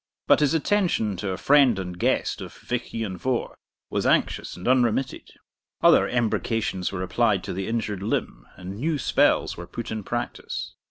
But his attention to a friend and guest of Vich Ian Vohr was anxious and unremitted. Other embrocations were applied to the injured limb, and new spells were put in practice.